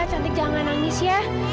cantik jangan nangis ya